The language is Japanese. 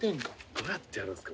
どうやってやるんですか？